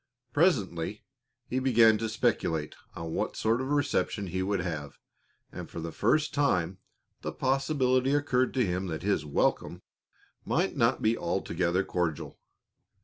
Presently he began to speculate on what sort of reception he would have, and for the first time the possibility occurred to him that his welcome might not be altogether cordial.